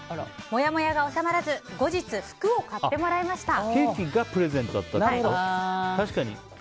もやもやが収まらず後日服を買ってもらいました。